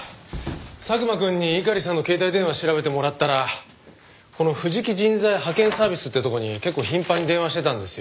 佐久間くんに猪狩さんの携帯電話調べてもらったらこの藤木人材派遣サービスってとこに結構頻繁に電話してたんですよ。